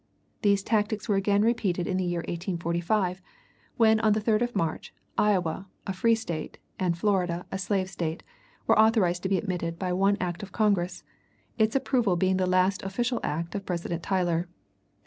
These tactics were again repeated in the year 1845, when, on the 3d of March, Iowa, a free State, and Florida, a slave State, were authorized to be admitted by one act of Congress, its approval being the last official act of President Tyler.